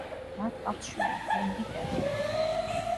მათ ჰყავთ შვილი, ჰენრი ტერნერი.